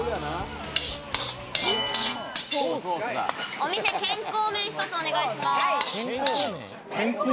お店健康麺１つお願いします。